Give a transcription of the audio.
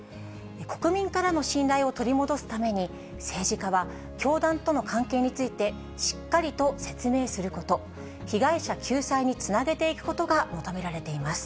国民からの信頼を取り戻すために、政治家は教団との関係について、しっかりと説明すること、被害者救済につなげていくことが求められています。